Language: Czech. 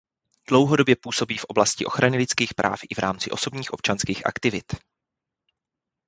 Dlouhodobě působí v oblasti ochrany lidských práv i v rámci osobních občanských aktivit.